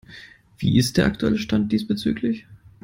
Wie ist der aktuelle Stand diesbezüglich?